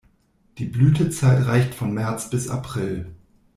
Die Blütezeit reicht von März bis April.